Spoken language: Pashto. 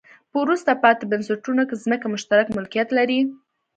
په وروسته پاتې بنسټونو کې ځمکې مشترک ملکیت لري.